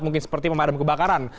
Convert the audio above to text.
mungkin seperti pemadam kebakaran